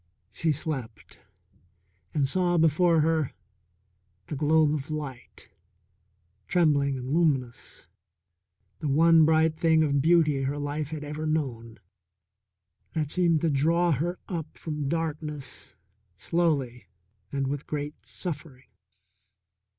She slept, and saw before her the globe of light, trembling and luminous, the one bright thing of beauty her life had ever known, that seemed to draw her up from darkness slowly and with great suffering.